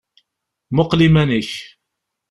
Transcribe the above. Muqel iman-ik!